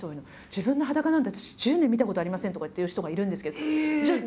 「自分の裸なんて私１０年見たことありません」とかって言う人がいるんですけどじゃあ